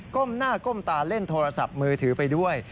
้มหน้าก้มตาเล่นโทรศัพท์มือถือไปด้วย